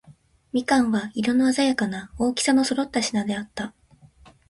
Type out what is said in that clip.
蜜柑は、色のあざやかな、大きさの揃った品であった。